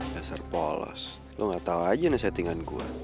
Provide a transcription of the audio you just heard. dasar polos lo gak tahu aja nih settingan gue